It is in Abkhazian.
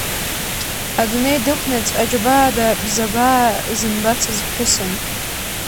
Адунеи дықәнаҵ аџьабаада бзабаа зымбацыз ԥҳәысын.